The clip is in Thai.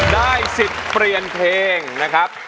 ได้สิทธิ์เปลี่ยนเพลงนะครับ